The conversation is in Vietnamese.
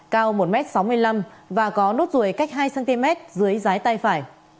cao một m sáu mươi năm và có nốt ruồi cách hai cm dưới tay phải